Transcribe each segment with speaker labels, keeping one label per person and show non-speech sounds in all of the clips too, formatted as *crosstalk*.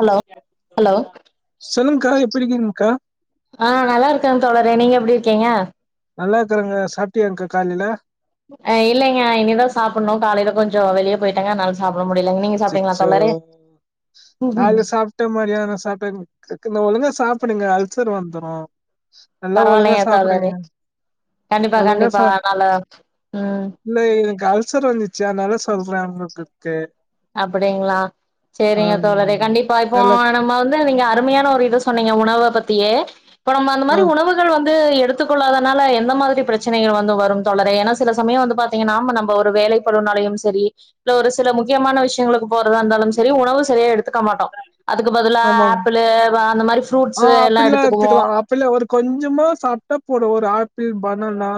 Speaker 1: Hello hello
Speaker 2: சொல்லுங்க்கா எப்டி இருக்கீங்க கா
Speaker 1: ஆ நல்லாருக்கே தோழரே நீங்க எப்டி இருக்கீங்க
Speaker 2: நல்லா இருக்காறேங்க சாப்ட்டியாங்க்கா காலயில
Speaker 1: ஆ இல்லைங்க இனிதா சாப்பிடுணு காலயில கொஞ்சோ வெளிய போய்ட்டேங்க அதனால சாப்ட முடியலங்க நீங்க சாப்ட்டீங்ளா
Speaker 2: அச்சச்சோ
Speaker 1: தோழரே
Speaker 2: து மாதிரியான *unintelligible* நீங்க ஒழுங்கா சாப்டுங்க அல்சர் வந்துரு நல்லா ஒழுங்கா
Speaker 1: பரவாயில்லங்க தோழரே
Speaker 2: சாப்டுங்க
Speaker 1: கண்டிப்பா
Speaker 2: ஒழுங்கா
Speaker 1: கண்டிப்பா
Speaker 2: சா
Speaker 1: னால ம்
Speaker 2: இல்ல எனக்கு அல்சர் வந்துச்சு அதனால சொல்றே அவுங்களுக்கு
Speaker 1: அப்டிங்களா சரிங்க
Speaker 2: ஆம்
Speaker 1: தோழரே கண்டிப்பா இப்போ
Speaker 2: நல்லா
Speaker 1: நம்ம வந்து நீங்க அருமையான ஒரு சொன்னீங்க உணவ பத்தியே இப்ப நம்ம அந்த
Speaker 2: ஆ
Speaker 1: மாரி உணவு க்கள் வந்து எடுத்துக்கொள்ளாதனால எந்த மாதிரி பிரச்சனைகள் வந்து வரும் தோழரே ஏன்னா சில சமயோம் வந்து பாத்தீங்கன்னா நாம நம்ம ஒரு வேலைக்கு பலுனாலயும் சரி இல்ல ஒரு சில முக் கியமான விஷயங்களுக்கு போறதா இருந்தாலும் சரி உணவு சரியா எடுத்துக்க மாட்டோ அதுக்கு பதுலாக
Speaker 2: ஆமா
Speaker 1: ஆப்பிள் அந்த மாதிரி ஃப்ரூட்ஸ் எல்லா எடுத்துக்குவோ
Speaker 2: பெல்ல ஒரு கொஞ்சமா சாப்ட்டா போதும் ஒரு ஆப்பிள் பனன்னா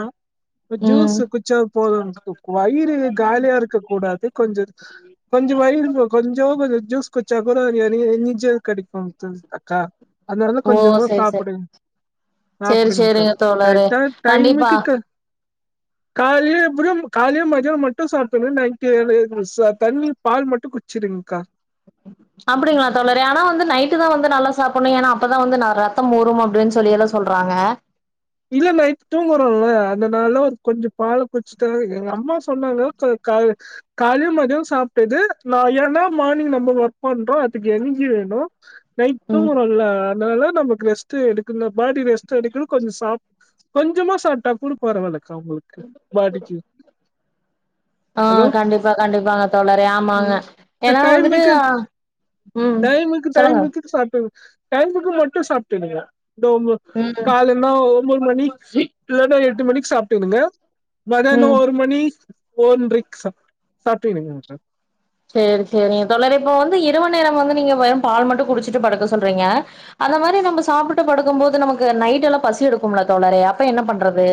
Speaker 2: ஒரு
Speaker 1: ம்
Speaker 2: ஜூஸ் குச்சோ போதும் எனக்கு வயிறு காலியா இருக்க கூடாது கொஞ்ச கொஞ்ச வயறு போ கொஞ்சோபது ஜூஸ் குச்சா கொட நெறய எனர் சோ கடைக்கும் அக்கா அதனாலதா
Speaker 1: ஓ
Speaker 2: கொஞ்சமா
Speaker 1: சேரி சேரி
Speaker 2: சாப்புடு
Speaker 1: சேரி
Speaker 2: சாப்புடுங்கா
Speaker 1: சேரிங்க தோழரே
Speaker 2: கக்டான
Speaker 1: கண்டிப்பா
Speaker 2: டைமுக்கு க காலே எப்படியும் காலேயும், மதியோம் மட்டும் சாப்புடுவேன் நைட்டு முழுசா தண்ணி, பால் மட்டு சேரிங்க்கா
Speaker 1: *unintelligible* அப்படிங்களா தோழரே ஆனா வந்து நைட்டு தா வந்து நல்லா சாப்ட்ணும் ஏன்னா அப்பதா வந்து ரத்தம் ஊரும் அப்படின் சொல்லி எல்லாம் சொல்றாங்க.
Speaker 2: இல்ல நைட்டு தூங்குறோம்ல அந்தனால ஒரு கொஞ்சம் பால குடிச்சுட்டா எங்க அம்மா சொன்னாங்க சொல் கா காலையும், மதியோம் சாப்ட்டது நா ஏன்னா மார்னிங் நம்ம ஒர்க் பண்றோம் அதுக்கு எனர்ஜி வேணும்
Speaker 1: ம்
Speaker 2: நைட்டும் நல்லா அதனால நமக்கு ரெஸ்ட் எடுக்கனா பாடி ரெஸ்ட்டு எடுக்கும் கொஞ்ச சாப் கொஞ்சமா சாப்ட்டா கொட பரவாலக்கா உங்களுக்கு பாடிக்கு
Speaker 1: ஆ
Speaker 2: ஹலோ
Speaker 1: கண்டிப்பா கண்டிப்பாங்க தோழறே ஆமாங்க ஏன்னா வந்துட்டு
Speaker 2: டைமுக்கு
Speaker 1: ஆ ம்
Speaker 2: டைமுக்கு
Speaker 1: சொல்லுங்க
Speaker 2: டைமுக்கு சாப்ப டைமுக்கு மட்டு சாப்ட்டுடீங்க தோமு
Speaker 1: ம்
Speaker 2: காலேலென்னா ஒன்போது மணிக்கு இல்லன்னா எட்டு மணிக் சாப்ட்டு டுங்க
Speaker 1: ம்
Speaker 2: மதனோம் ஒரு மணி ஓன்றைக்கு சாப் சாப்டுடுங்க
Speaker 1: சேரி சேரி தோழரே இப்ப வந்து இரவு நேரம் வந்து நீங்க வெறு பால் மட்டும் குடிச்சுட்டு படுக்க சொல்றீங்க அந்த மாரி நம்ம சாப்ட்டு படுக்கும் போது நமக்கு நைட்டெலா பசி எடுக்கும்ல தோழரே அப்ப என்ன பண்றது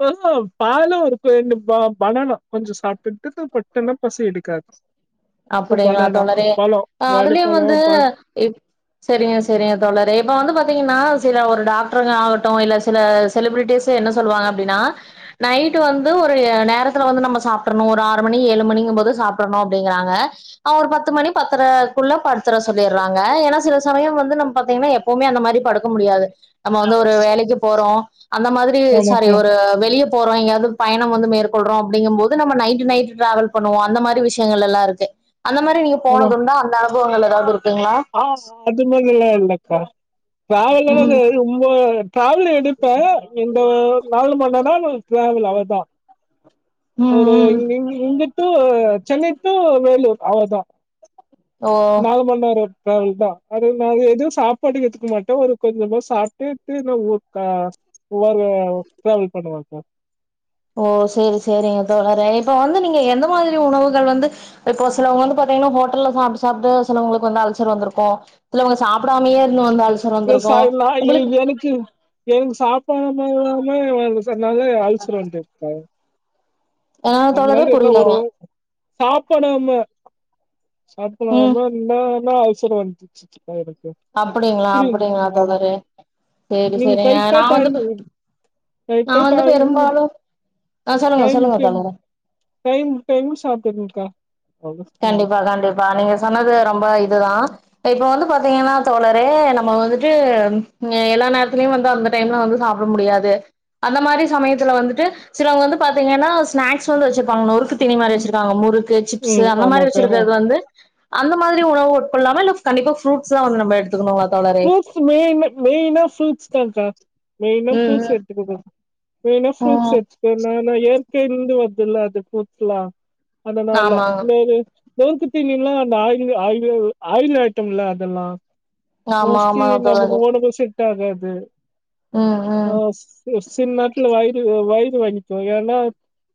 Speaker 2: பொதுவா பாலெல்லா ஒரு ரெண்டு ப பணணா கொஞ்ச சாப்ட்டுட்டு பத்தனா பசி எடுக்காது ஒரு
Speaker 1: அப்படிங்களா
Speaker 2: பனானா
Speaker 1: தோழறே
Speaker 2: பழோ
Speaker 1: அ அதுலயும்
Speaker 2: வாழைப்பழோ
Speaker 1: வந்து
Speaker 2: ப
Speaker 1: இப் செரிங்க செரிங்க தோழரே இப்ப வந்து பாத்தீங்கன்னா சில ஒரு டாக்டருங்க ஆகட்டும் இல்ல சில செலிபிரிட்டீஸ்சு என்ன சொல்லுவாங்க அப்படின்னா நைட்டு வந்து ஒரு நேரத்துல வந்து நம்ம சாப்ட்றணும் ஒரு ஆறு மணி ஏழு மணிங்கும் போது சாப்ட்றணும் அப்படிங்கறாங் அ அவ் ஒரு பத்து மணி, பத்தர குல்ல படுத்துர சொல்லியிறாங்க ஏன்னா சில சமயம் வந்து நம்ம பாத்தீங்கன்னா எப்பவுமே அந்த மாரி படுக்க முடியாது. நம்ம வந்து ஒரு வேலைக்கி போறோம் அந்த மாரி சாரி
Speaker 2: ஆமாக்கா
Speaker 1: ஒரு வெளிய போறோம் எங்காது பயணம் வந்து மேற்கொள்றோம் அப்படிங்கபோது நம்ம நைட்டு நைட்டு ட்ராவல் பன்னுவோம் அந்த மாரி விஷயங்கல்லாம் இருக் கு அந்த மாரி நீங்க போனது உண்டா அந்த அனுபவங்கள் ஏதாது இருக்குங்களா
Speaker 2: ஆமா அது மாதிரில்லா இல்லக்கா டிராவலர்
Speaker 1: ம்
Speaker 2: அது ரொம்ப டிராவல் எடுப்ப இந்த நாலு மன்னரம் டிராவல் அவளதா
Speaker 1: ம்
Speaker 2: ஒரு
Speaker 1: ம்
Speaker 2: ஏழு மணிஇங்குட்டு சென்னை டூ வேலூர் அவ்ளதா
Speaker 1: ஓ
Speaker 2: நாலு மண் நேரோ டிராவல் தா அது நாங்க எதும் சாப்பாடு எடுத்துக்க மாட்டோ ஒரு கொஞ்சமா சாப்ட்டுட்டு ஒட்க்கா போர்வ டிராவல் பண்ணுவகா
Speaker 1: ஓ சேரி சேரிங்க தோழரே இப்ப வந்து நீங்க எந்த மாதிரி உணவுகள் வந்து இப்போ சிலவங்க வந்து பாத்தீங்கன்னா ஹோட்டல்ல சாப்ட்டு சாப்ட்டு சிலவங்களுக்கு வந்து அல்சர் வந்தருக்கும் சிலவங்க சாப்படாமயே இருந்த வந்த அல்ஸ்
Speaker 2: *unintelligible* எனக்கு சாப்பாடு இல்லாம வருசனால அல்சர் வந்துருக்க
Speaker 1: ஆ தோழரே
Speaker 2: அதுலருந்து என்ன
Speaker 1: புரியலங்க
Speaker 2: வரும் சாப்பிடாம
Speaker 1: ம்
Speaker 2: சாப்பிடாம இருந்தா இப்டிதா அல்சர் வருது
Speaker 1: அப்டிங்களா அப்டிங்களா
Speaker 2: புரியல ஆமா
Speaker 1: தோழரே சேரி
Speaker 2: நீங்க
Speaker 1: சேரிங்க
Speaker 2: கரெக்ட்டா
Speaker 1: நா
Speaker 2: டைம்
Speaker 1: வந்து நா
Speaker 2: கரெக்டா
Speaker 1: வந்து
Speaker 2: டைம்
Speaker 1: பெரும்பாலும் ஆ சொல்லுங்க சொல்லுங்க
Speaker 2: டைம்
Speaker 1: தோழரே
Speaker 2: டைம் டைம்க்கு சாப்பிட்டுங்கக்கா
Speaker 1: கண்டிப்பா கண்டிப்பா நீங்க சொன்னது ரொம்ப இதுதா இப்ப வந்து பாத்தீங்கன்னா தோழரே நம்ம வந்துட்டு எல்லா நேரத்துலயும் வந்து அந்த டைம்ல வந்து சாப்பிட முடியாது அந்த மாரி சமயத்துல வந்துட்டு சிலவங்க வந்து பாத்தீங்கன்னா ஸ்நாக்ஸ் வந்து வச்சிருப்பாங்க நொறுக்கு தினி மாரி வச்சிருக்காங்க முறுக்கு சிப்ஸ்
Speaker 2: ம்
Speaker 1: அந்த மாரி
Speaker 2: ஆமாக்கா ஆ
Speaker 1: வச்சுருக்குறது வந்து அந்த மாதிரி உணவு உட்கொல்லாமா இல்ல கண்டிப்பா ஃப்ரூட் தா வந்து நம்ம எடுத்துக்கணுமா தோழரே
Speaker 2: ஃப்ரூட்ஸ் மெயின் மெயினா ஃப்ரூட்ஸ் தான்க்கா மெயின்னா
Speaker 1: ம்
Speaker 2: ஃப்ரூட்ஸ் எடுத்துக்கோங்க வேணா
Speaker 1: ம்
Speaker 2: ஃப்ரூட்ஸ்
Speaker 1: ம்
Speaker 2: எடுத்துக்க ந நா இயற்கைல்ல இருந்து வருதுல அது ஃப்ரூட்ஸ்லா அதனால
Speaker 1: ஆமாங்க
Speaker 2: வேற நொறுக்கு தீனி எல்லாம் அந்த ஆயில்ள் ஆயில் ஆயுல் ஐட்டம் இல்ல அதெல்லா
Speaker 1: ஆமா
Speaker 2: மோஸ்ட்லி
Speaker 1: ஆமா
Speaker 2: நமக்கு
Speaker 1: தோழரே
Speaker 2: ஒடம்பு செட் செட்காது
Speaker 1: ம்
Speaker 2: ஆ
Speaker 1: ம்
Speaker 2: சில நேரத்துல வயி த்து வயறு வலிக்கும் ஏன்னா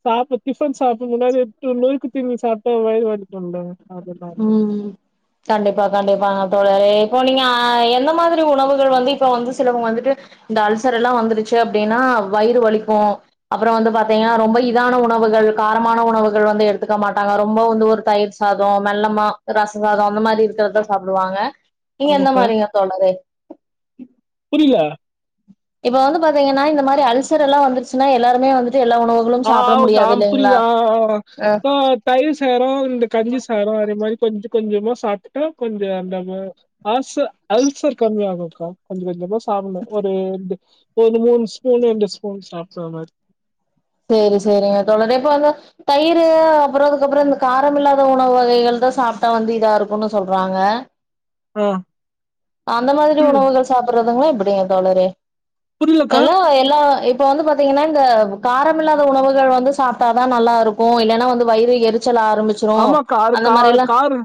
Speaker 2: சாப்ப டிஃபன் சாப்பிட முன்னாடி எட்டு நொறுக்கு தீணி சாப்பிட்ட வயறு வலிக்குல்ல அதனால
Speaker 1: ம் கண்டிப்பா கண்டிப்பா தோழரே இப்போ நீங்க எந்த மாதிரி உணவுகள் வந்து இப்ப வந்து சிலவங்க வந்துட்டு இந்த அல்சர் எல்லாம் வந்துருச்சு அப்டின்னா வயிறு வலிக்கும் அப்றோ வந்து பாத்தீங்கன்னா ரொம்ப இதான உணவுகள் காரமான உணவுகள் வந்து எடுத்துக்க மாட்டாங்க ரொம்ப வந்து ஒரு தயிர் சாதோ மெல்லமா ரச சாதோ அந்த மாரி இருக்கிறதா சாப்பிடுவாங்க நீங்க எந்த
Speaker 2: ஆமாக்கா
Speaker 1: மாதிரிங்க தோழரே
Speaker 2: புரியில்ல
Speaker 1: இப்ப வந்து பாத்தீங்கன்னா இந்த மாதிரி அல்சர் எல்லாம் வந்துருச்சன்னா எல்லாருமே வந்துட்டு எல்லா உணவு
Speaker 2: ஆ க ஆ புரியது ஆ ஆ தயிர் சாதோ இந்த கஞ்சி சாதோ அதே மாரி கொஞ்சம் கொஞ்சமா சாப்ட்டுட்டு கொஞ்சம் நம்ம ஆச அல்சர் கம்மிய ஆகும்க்கா கொஞ்சம் கொஞ்சமா சாப்பிடணும் ஒரு ஒரு மூணு ஸ்பூன் ரெண்டு ஸ்பூன் சாப்பிடுற மாரி
Speaker 1: சேரி சேரிங்க தோழரே இப்ப வந்து தயிர் அப்பறோ அதுக்கப்பறோ இந்த காரம் இல்லாத உணவு வகைகள் தா சாப்பிட்டா வந்து இதா இருக்குன்னு சொல்றாங்க
Speaker 2: ஆ
Speaker 1: அந்த மாதிரி
Speaker 2: புரியுது
Speaker 1: உணவுகள் சாப்பிடறதுங்களா எப்படிங்க தோழரே
Speaker 2: புரியலக்கா
Speaker 1: எல்லா எல்லா இப்ப வந்து பாத்தீங்கன்னா இந்த காரமில்லாத உணவுகள் வந்து சாப்ட்டா தா நல்லா இருக்கும் இல்லைன்னா வந்து வயிறு எரிச்சல் ஆரம்பிச்சு
Speaker 2: ஆமா கார் க கார்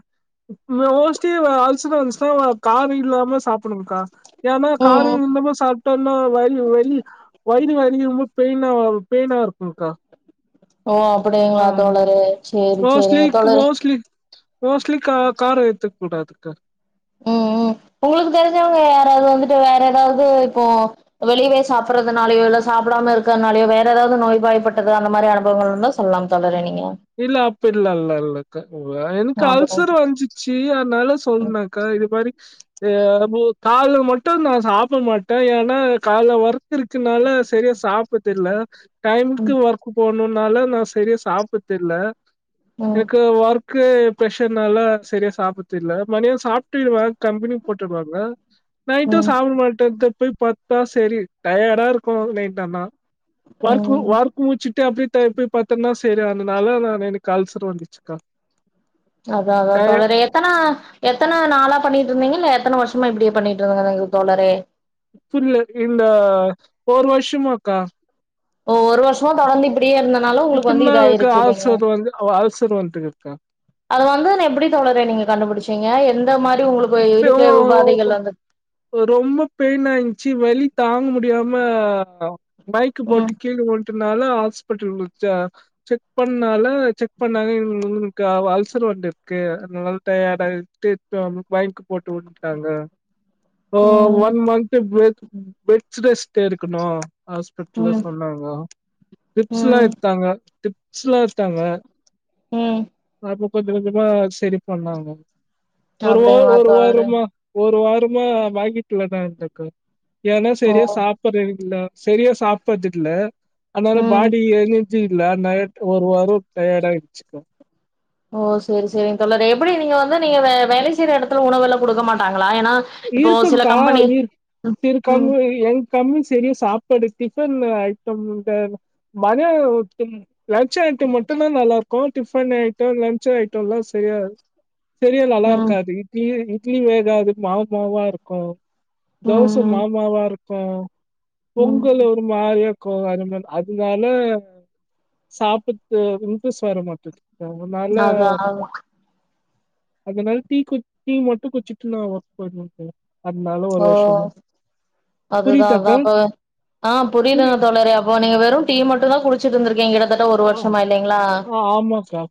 Speaker 2: மோஸ்ட்லி அல்சர் வந்துச்சுன்னா கார இல்லாம சாப்பிடனுக்கா ஏன்னா
Speaker 1: ம்
Speaker 2: காரம் இன்னுமும் சாப்ட்டா இன்னு வயிர் வயிர் வயிறு வயிர் ரொம்ப பெயினா பெயினா இருக்குக்கா
Speaker 1: ஓ அப்படியா
Speaker 2: ஆ மோஸ்டலி க்
Speaker 1: தோழரே
Speaker 2: மோஸ்ட்லி மோஸ்ட்லி க கார எடுத்துக்க கூடாதுக்கா
Speaker 1: ம் ம் உங்களுக்கு தெரிஞ்சவங்க யாராவது வந்துட்டு வேற ஏதாவது இப்போ வெளியவே சாப்பிடறதுனாலோ இல்ல சாப்பிடாம இருக்கிறதுனாலோ வேற ஏதாவது நோய்வாய்பப்பட்டது அந்த மாரி அனுபவங்கள் இருந்தா சொல்லலாம் தோழரே நீங்க
Speaker 2: இல்ல அப்டில்லா இல்ல இல்ல இல்ல க எனக்கு
Speaker 1: ஞாபகம்
Speaker 2: அல்சர் வன்ச்சு ச்சி அதனால சொல்னக்கா இது மாரி காலல மட்டு நா சாப்ட மாட்டே ஏன்னா கால ஒர்க் இருக்குனால சரியா சாப்றது இல்ல டைமு்கு
Speaker 1: ம்
Speaker 2: ஒர்க் போகணுன்னால நா சரிய சாப்ட்றது இல்ல
Speaker 1: ம்
Speaker 2: எனக்கு ஒர்க் க்கு ப்ஷர்னால சரியா சாப்டுது இல்ல மதியோ சாப்ட்டுவா கம்பெனி போட்டுடுவாங்க
Speaker 1: ம்
Speaker 2: நைட்டு
Speaker 1: ம்
Speaker 2: சாப்பட மாட்டே போய் படுத்தா செரி டயடா இருக்கு நைட்டாண வுர்க்கு
Speaker 1: ம்
Speaker 2: வுர்க் முடிச்சுட்டே அப்டியே டை போய் படுத்தோன்னா செரிய அதனால நான் எனக்கு அல்சர் வந்துச்சுக்கா
Speaker 1: அதா அதா
Speaker 2: டய-
Speaker 1: தோழரே எத்தனா எத்தன நாளா பண்ணிட்டு இருந்தீங்க இல்ல எத்தன வருஷமா இப்டியே பண்ணிட்டுரிந்திங்க தோழரே
Speaker 2: இல்ல இந்த ஒரு வருஷமாக்கா
Speaker 1: ஓ ஒரு வருஷமா தொடந்து இப்டியே இருந்தனால உங்களுக்கு வந்து
Speaker 2: இப்டின்னா அதுக்கு
Speaker 1: இதாயிருச்சு இல்லைங்களா
Speaker 2: அல்சர் வந்து அல்சர் வந்துட்டுருக்கா
Speaker 1: அது வந்து எப்டி தோழரே நீங்க கண்டுபிடிச்சீங்க எந்த மாரி உங்களுக்கு இறக்கை உபாதைகள் வந்து
Speaker 2: ரொம்ப பெயின் ஆயின்ச்சு வலி தாங்க முடியாம மயக்கொ
Speaker 1: ம்
Speaker 2: போட்டு கீழ வுழ்ட்டனால ஹாஸ்பிட்டல்ச்சா செக் பண்ணால செக் பண்ணாங்க இவுங்களுக்கு அல்சர் வந்துருக்கு அதனால டயர்ட ஆய் திர்ப்பியு மயக்கொ போட்டு வுழ்ட்டாங்க ஓ
Speaker 1: ம்
Speaker 2: one month bed beds rest இருக்குனு ஹாஸ்பிட்ல்ல
Speaker 1: ம்
Speaker 2: சொன்னாங்க ட்ரிப்ஸா
Speaker 1: ம்
Speaker 2: எடுத்தாங்க டிப்ஸ்லா எடுத்தாங்க
Speaker 1: ம்
Speaker 2: அப்ப கொஞ்ச கொஞ்சமா செரி பண்ணாங்க ஒரு
Speaker 1: அப்டிங்களா
Speaker 2: ஒரு வா
Speaker 1: தோழரே
Speaker 2: ர்மா ஒரு வாரமா மயக்கத்துல த இருந்தேகா ஏனா
Speaker 1: ஓ
Speaker 2: செரியா சாப் *unintelligible* தில்ல செரியா சாப்டறதுகில்ல அதனால
Speaker 1: ம்
Speaker 2: பாடி எ எனர்ஜி இல்ல நயட் ஒரு வாரொ டயர்ட் ஆயிடுச்சுக்கா
Speaker 1: ஓ செரி செரிங் தோழரே எப்டி நீங்க வந்து நீங்க வே வேலை செய்ற எடத்துல உணவுலா குடுக்க மாட்டாங்ளா ஏனா
Speaker 2: இருக்குங்கா இரு இருக்கா
Speaker 1: ம்
Speaker 2: எ கம்மி செரிய சாப்பாடு டிஃபன் ஐட்டொ இந்த மன அழுத்தம் லஞ்ச் ஐட்டொ மட்டுந்தா நல்லா இருக்கு டிஃபன் ஐட்டொ லன்ச் ஐடெல்லா செரியா செரியா நல்லா
Speaker 1: ம்
Speaker 2: இருக்காது இட்லி இட்லி வேகாது மாவு மாவா இருக்கு தோச
Speaker 1: ம்
Speaker 2: மாவுமாவா இருக்கு
Speaker 1: ம் ம்
Speaker 2: பொங்கலு ஒரு மாறியாகோ அதுமே அதுனால சாப்டர்துக்கு ஒரு இன்டரஸ் வர மாட்டுது அதனால
Speaker 1: அதா அதா
Speaker 2: அதனால டீ குட் டீ மட்டு குச்சிட்டு நான் ஒர்க் போயிடுவேகா ஒரு
Speaker 1: ஓ
Speaker 2: வருஷமா
Speaker 1: அதுதா அதா
Speaker 2: புரியுதாக்கா
Speaker 1: அப்போ ஆ
Speaker 2: புரி
Speaker 1: புரியுதுங்க தோழரே அப்போ நீங்க வெறு டீ மட்டுந் தா குடிச்சிட்டு இருந்துருக்கிங்க கிட்டத்தட்ட ஒரு
Speaker 2: ஆ
Speaker 1: வருஷமா இல்லைங்ளா
Speaker 2: ஆ ஆமாக்கா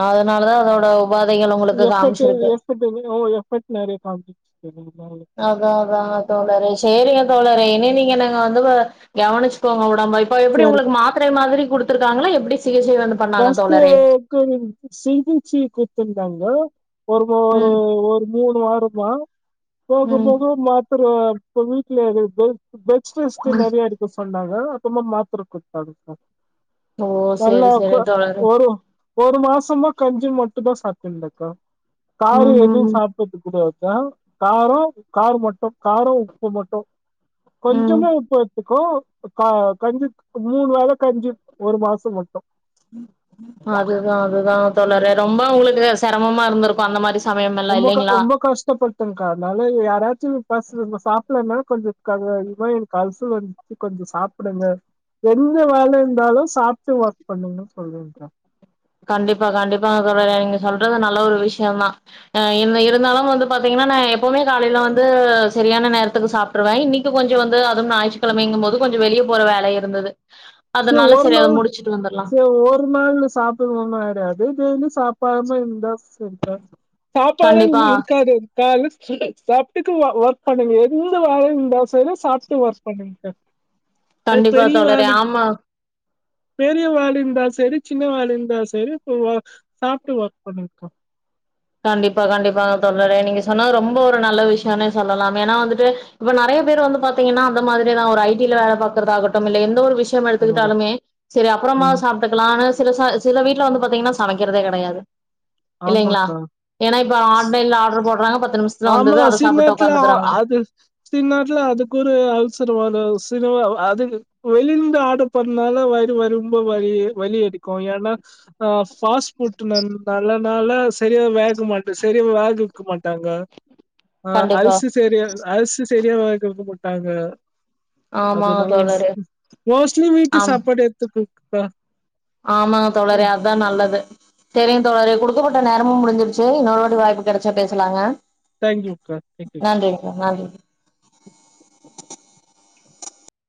Speaker 1: அதனாலதா அதோட உபாதைகளு
Speaker 2: *unintelligible*
Speaker 1: அதா அதா தோழரே சேரிங்க தோழரே இனி நீங்க நாங்க வந்து கவனிச்சுக்கோங்க ஒடம்ப இப்ப எப்டி
Speaker 2: சரி
Speaker 1: ஒங்ளுக்கு மாத்திரை மாரி குடுத்துருக்காங்ளா எப்டி சிகிச்சை வந்து பண்ணாங்க
Speaker 2: பஸ்ர்ட்டு
Speaker 1: தோழரே
Speaker 2: *unintelligible* சிங்குச்சி குட்த்துருந்தாங்க ஒரு ஒரு
Speaker 1: ம்
Speaker 2: ஒரு மூனு வாரொமா போக போக
Speaker 1: ம்
Speaker 2: போக போக மாத்தெர இப்ப வீட்ல இருக்கு பெட்ஸ் டெஸ்ட்டு
Speaker 1: ம்
Speaker 2: நறையா இரு ட்டு சொன்னாங்க அப்பொறமா மாத்தெர குடுத்தாங்க் கா
Speaker 1: ஓ செரி செரி தோழரே
Speaker 2: ஒ ஒரு மாசமா கஞ்சி மட்டுந் தா சாப்பிட்டுந்துருக்க காயு
Speaker 1: ம்
Speaker 2: எது
Speaker 1: ம்
Speaker 2: சாப் குடுக்கக்கூடாதா காரொ கார மட்டு காரொ உப்பு மட்டு
Speaker 1: ம்
Speaker 2: கொஞ்சமா உப்பு அ இக்கு க கஞ்சி மூனு வேள கஞ்சி ஒரு மாசோ மட்டு
Speaker 1: அதுதா அதுதா தோழரே ரொம்ப உங்களுக்கு செரமமா இருந்திருக்கு அந்த மாரி சு
Speaker 2: ரொம்பக்கா ரொம்ப கஷ்டப்பட் டெங்கா அத்னால யாராச்சு பசு சாப்பல்லனால கொஞ்சொ த இது மாரி எனக்கு அல்சு வந்தி கொஞ்சொ சாப்புடுங்க என்ன வேல இருந்தாலு சாப்ட்டு வர்க் பண்ணுங்க ன்னு சொல்வெக்கா
Speaker 1: கண்டிப்பா கண்டிப்பாங்க தோழரே நீங்க சொல்றது நல்ல ஒரு விஷியொந்தா என்ன இருந்தாலு வந்து பாத்தீங்கனா நா எப்பொமே காலேல வந்து செரியான நேரத்துக்கு சாப் ட்ருவே இன்னெக்கி கொஞ்சொ வந்து அது ஞாயிற்றுக்கிழமைங்கும் போது கொஞ்சொ வெளிய போற வேலை இருந்துது
Speaker 2: செ ஒரு நாள் செரி ஒரு நாள்ல சாப் படாம ஒன்னு ஆயிடாது டெய்லியு சாப்டாம இருந்தா செட்டா சாப்டாம
Speaker 1: கண்டிப்பா
Speaker 2: இருந்தா எதுக்கு ஆகாது கால்ல சாப்பிட்டுக்கு வர்க் பண்ணுங்க எந்த வேலயா இருந்தாலு செரி சாப்ட்டு வர்க் பண்ணுங்க இன்ச
Speaker 1: கண்டிப்பா தோழரே ஆமா
Speaker 2: பெரிய வால இருந்தால் செரி சின்ன வாலயா இருந்தால் செரி இப்போ சாப்ட்டு வர்க் பண்ணிக்கோ
Speaker 1: கண்டிப்பா கண்டிப்பா தோழரே நீங்க சொன்னது ரொம்ப ஒரு நல்ல விஷியோனே சொல்லலாம் எனா வந்துட்டு இப்போ நெறயா பேர் வந்து பாத்தீங்கன்னா அந்த மாதிரிதா ஒரு ஐ டி ல வேல பாக்கறதா ஆகட்டும் இல்ல எந்த ஒரு விஷ் சியமில்க்
Speaker 2: ஆமாக்கா
Speaker 1: எடுத்துட்டாலுமே சேரி அப்பொறமா
Speaker 2: ம்
Speaker 1: சாப் ட்டுக்கலானு சில ச சில வீட்ல வந்து பாத்தீங்கன்னா சமக்கெறதே கெடையாது இல்லெங்ளா
Speaker 2: ஆமாக்கா
Speaker 1: எனா இப்போ ஆன்லைன்ல ஆட்ர் போட்றாங்க பத்து நிம்ச
Speaker 2: ஆமா சீமேட்ல அ அது சின்நாட்ல அதுக்கொரு அவசரோ அது சினிமா அது வெளியிலிருந்து ஆட்ரு பண்லால வயிறு வரு ரொம்ப வலி வலி எடுக்கு எனா ஆ ஃபாஸ்ட்ஃபுட்டு நல் நல்லதால செரிய வேக மாட்டி செரியா வேக வெக்க மாட்டாங்க ஆ
Speaker 1: கண்டிப்பா
Speaker 2: அல்சு செரியா அல்சு செரியா வெக்க மாட்டாங்க
Speaker 1: ஆமாங்க
Speaker 2: அதனால ஸ்
Speaker 1: தோழரே
Speaker 2: மோட்ஸ்லி வீட்டு
Speaker 1: ஆம்
Speaker 2: சாப்பாடு எத்துக்கோங்கக்கா
Speaker 1: ஆமாங்க தோழரே அத்தா நல்லது செரிங்க தோழரே குடுக்கப்பட்ட நேரமு முடுஞ்சுருச்சி இன்னொரு வாட்டி வாய்ப்பு கெடச்சா பேசலாங்க
Speaker 2: தேங்க்யூ அக்கா தேங்க்யூ
Speaker 1: நன்றிங்க நன்றி